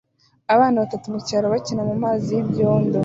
Abana batatu mucyaro bakina mumazi y'ibyondo